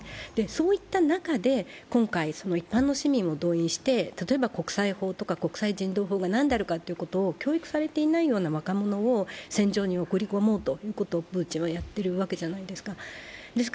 そういった中、今回、一般の市民も動員して、例えば国際法とか、国際人道法が何であるかということを教育されていないような若者を戦場に送り込もうとプーチンはやっているわけじゃないですか。